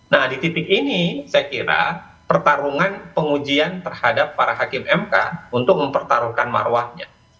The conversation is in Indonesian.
nah di titik ini saya kira pertarungan pengujian terhadap para hakim mk untuk mempertaruhkan marwahnya